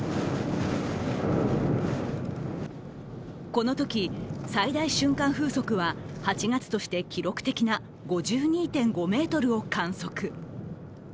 このとき、最大瞬間風速は８月として記録的な５２．５メートルを観測。